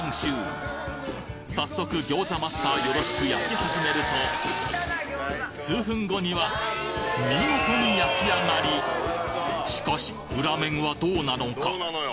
早速餃子マスターよろしく焼き始めると数分後には見事に焼き上がりしかし裏面はどうなのか？